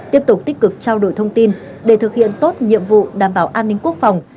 tiếp tục tích cực trao đổi thông tin để thực hiện tốt nhiệm vụ đảm bảo an ninh quốc phòng